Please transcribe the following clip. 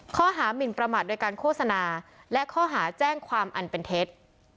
ข้อหามินประมาทโดยการโฆษณาและข้อหาแจ้งความอันเป็นเท็จ